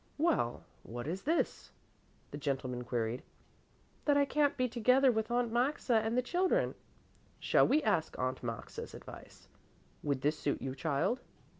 "Well, what is this?" the gentleman queried. "That I can't be together with Aunt Maxa and the children." "Shall we ask Aunt Maxa's advice? Would this suit you, child?"